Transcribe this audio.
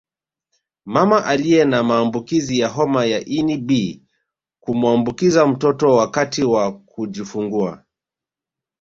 Mama aliye na maambukizi ya homa ya ini B kumuambukiza mtoto wakati wa kujifungua